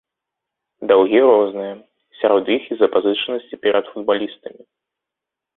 Даўгі розныя, сярод іх і запазычанасці перад футбалістамі.